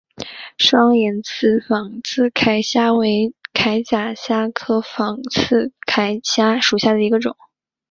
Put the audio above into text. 双眼刺仿刺铠虾为铠甲虾科仿刺铠虾属下的一个种。